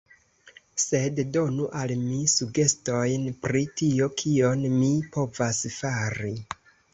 Sed, donu al mi sugestojn, pri tio, kion mi povas fari.